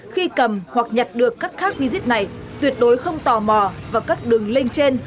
khi cầm hoặc nhặt được các khắc vi giết này tuyệt đối không tò mò vào các đường lên trên